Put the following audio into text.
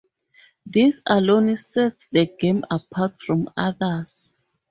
This alone sets the game apart from others.